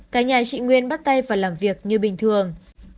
cả nhà chị nguyên bắt tay vào làm việc như bình thường